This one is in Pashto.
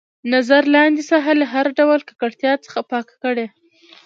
نظر لاندې ساحه له هر ډول ککړتیا څخه پاکه کړئ.